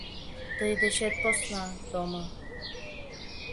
«Тый дечет посна, Тома